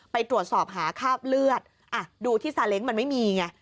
ไปตรวจสอบหาคราบเลือดดูที่ซาเล้งมันไม่มีไง